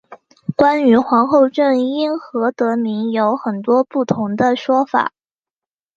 关于皇后镇因何得名有很多不同的说法。